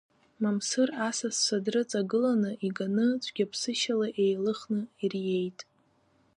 Мамсыр асасцәа дрыҵагыланы, иганы, цәгьаԥсышьала еилыхны ириеит.